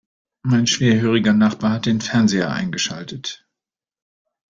Mein schwerhöriger Nachbar hat den Fernseher eingeschaltet.